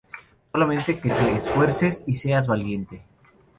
solamente que te esfuerces, y seas valiente.